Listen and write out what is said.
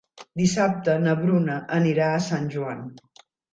Dissabte na Bruna anirà a Sant Joan.